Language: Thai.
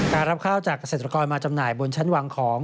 รับข้าวจากเกษตรกรมาจำหน่ายบนชั้นวางของ